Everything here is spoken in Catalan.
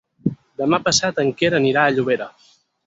Demà passat en Quer anirà a Llobera.